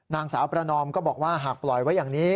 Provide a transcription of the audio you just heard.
นางสาวประนอมก็บอกว่าหากปล่อยไว้อย่างนี้